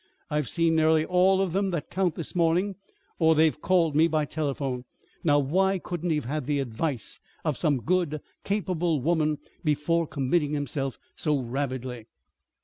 I've seen nearly all of them that count this morning, or they've called me by telephone. Now, why couldn't he have had the advice of some good, capable woman before committing himself so rabidly?"